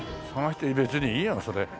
別にいいよそれ。